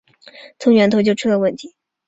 从源头就出了问题